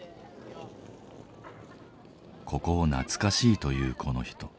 ここを懐かしいと言うこの人。